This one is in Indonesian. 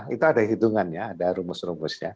itu ada hitungannya ada rumus rumusnya